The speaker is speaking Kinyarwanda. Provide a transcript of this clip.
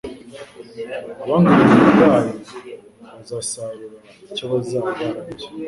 Abanga ubuntu bwayo bazasarura icyo bazaba barabibye.